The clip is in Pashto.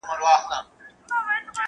د زراعت کمښت د ټولني د پرمختګ مخه نیسي.